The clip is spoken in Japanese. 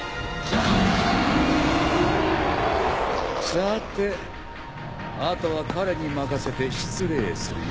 さてあとは彼に任せて失礼するよ。